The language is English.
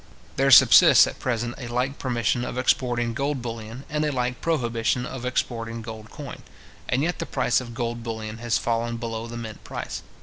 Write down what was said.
There subsists at present a like permission of exporting gold bullion, and a like prohibition of exporting gold coin; and yet the price of gold bullion has fallen below the mint price.